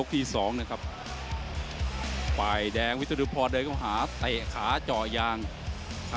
ดูแล้วมีอาการนะ